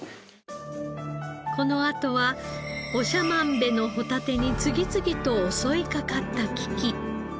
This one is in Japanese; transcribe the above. このあとは長万部のホタテに次々と襲いかかった危機。